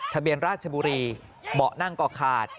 ทะเบียนราชบุรีเบาะนั่งก็ขาด